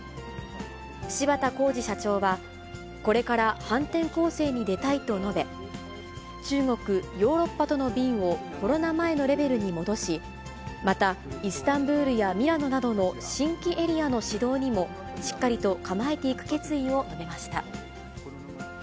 芝田浩二社長は、これから反転攻勢に出たいと述べ、中国、ヨーロッパとの便をコロナ前のレベルに戻し、またイスタンブールやミラノなどの新規エリアの始動にも、しっかりと構えていく決意を述べました。